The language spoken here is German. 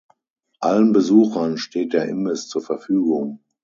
Allen Besuchern steht der Imbiss zur Verfügung.